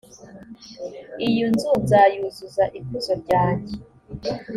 iyi nzu nzayuzuza ikuzo ryanjye